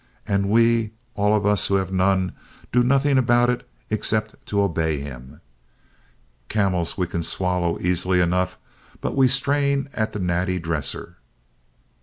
And we, all of us who have none, do nothing about it except to obey him. Camels we can swallow easily enough, but we strain at the natty dresser.